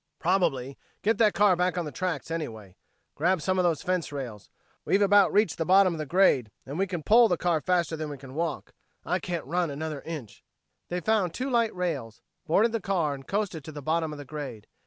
"Probably. Get that car back on the tracks, anyway. Grab some of those fence rails. We've about reached the bottom of the grade, and we can pole the car faster than we can walk. I can't run another inch." They found two light rails, boarded the car and coasted to the bottom of the grade.